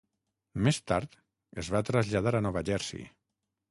Més tard, es va traslladar a Nova Jersey.